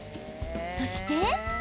そして。